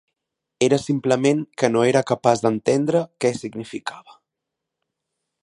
Era simplement que no era capaç d'entendre què significava.